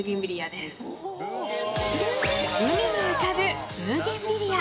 海に浮かぶブーゲンビリア。